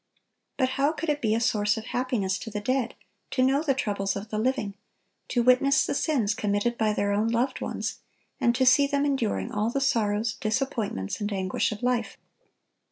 But how could it be a source of happiness to the dead to know the troubles of the living, to witness the sins committed by their own loved ones, and to see them enduring all the sorrows, disappointments, and anguish of life?